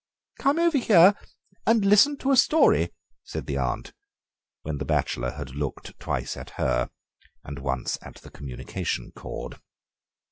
"Come over here and listen to a story," said the aunt, when the bachelor had looked twice at her and once at the communication cord.